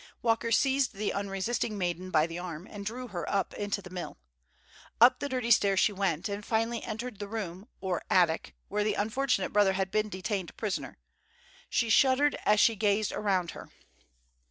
Walker seized the unresisting maiden by the arm, and drew her into the mill. Up the dirty stairs she went, and finally entered the room, or attic, where the unfortunate brother had been detained prisoner. She shuddered as she gazed around her.